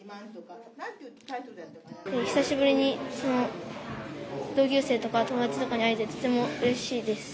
久しぶりに同級生とか友達とかに会えて、とてもうれしいです。